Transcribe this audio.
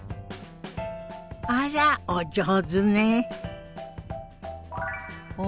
あらお上手ね。